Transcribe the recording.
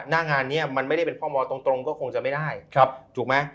หน้างานนี้มันไม่ได้เป็นพ่อมอตรงก็คงจะไม่ได้ถูกไหม